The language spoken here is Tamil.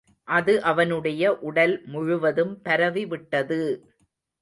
அது அவனுடைய உடல் முழுவதும் பரவி விட்டது!